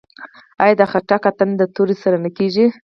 آیا د خټک اتن د تورې سره نه کیږي؟